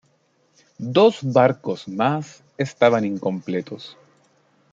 Dos barcos más estaban incompletos.